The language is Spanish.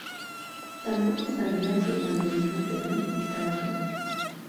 Tampoco sabía que Juan Domingo Perón estaba muerto.